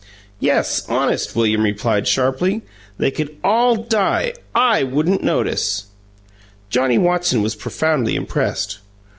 "Yes, 'honest'!" William replied, sharply. "They could ALL die, I wouldn't notice!" Johnnie Watson was profoundly impressed.